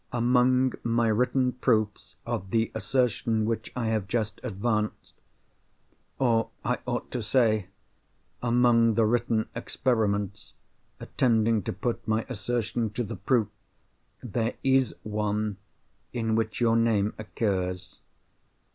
Among my written proofs of the assertion which I have just advanced—or, I ought to say, among the written experiments, tending to put my assertion to the proof—there is one, in which your name occurs.